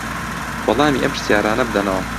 وەڵامی ئەم پرسیارانە بدەنەوە